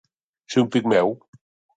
Ser un pigmeu.